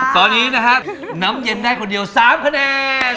ตอนนี้นะครับน้ำเย็นได้คนเดียว๓คะแนน